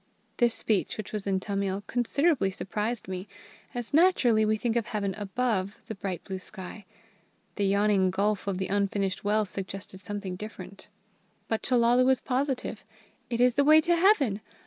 This speech, which was in Tamil, considerably surprised me, as naturally we think of Heaven above the bright blue sky. The yawning gulf of the unfinished well suggested something different. But Chellalu was positive. "It is the way to Heaven.